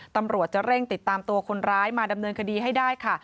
ตำรวจจะเร่งติดตามตัวคนร้ายมาดำเนินคดีให้ได้ค่ะ